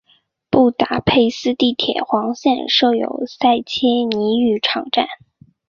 布达佩斯地铁黄线设有塞切尼浴场站。